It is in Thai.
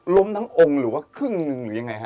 ทั้งองค์หรือว่าครึ่งหนึ่งหรือยังไงฮะ